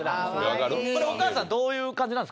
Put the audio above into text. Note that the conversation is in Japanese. これお母さんどういう感じなんですか？